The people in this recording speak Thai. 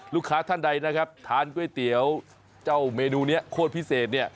ท่านใดนะครับทานก๋วยเตี๋ยวเจ้าเมนูนี้โคตรพิเศษเนี่ย